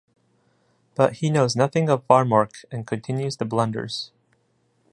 But he knows nothing of farm work, and continues the blunders.